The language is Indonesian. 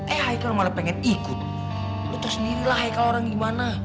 eh hai kalau malah pengen ikut lo tau sendirilah hai kalau orang gimana